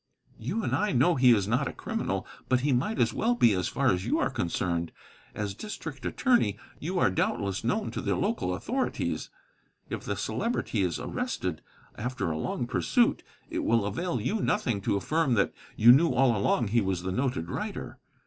"You and I know he is not a criminal; but he might as well be as far as you are concerned. As district attorney you are doubtless known to the local authorities. If the Celebrity is arrested after a long pursuit, it will avail you nothing to affirm that you knew all along he was the noted writer.